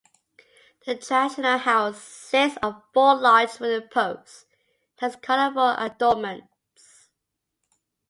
The traditional house sits on four large wooden posts and has colourful adornments.